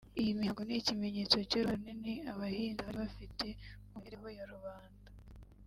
Iyi mihango ni ikimenyetso cy’uruhare runini Abahinza bari bafite mu mibereho ya rubanda